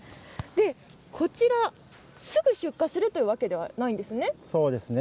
こちら、すぐ出荷するわけではないんですね。